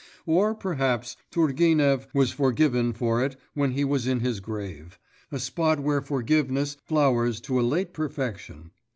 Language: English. Or, perhaps, Turgenev was forgiven for it when he was in his grave, a spot where forgiveness flowers to a late perfection.